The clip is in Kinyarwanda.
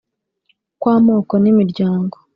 Kw amoko n imiryango